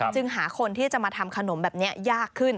จึงหาคนที่จะมาทำขนมแบบนี้ยากขึ้น